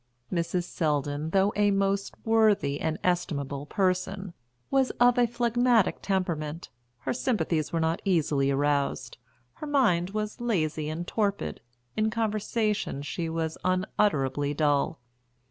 Mrs. Selldon, though a most worthy and estimable person, was of a phlegmatic temperament; her sympathies were not easily aroused, her mind was lazy and torpid, in conversation she was unutterably dull.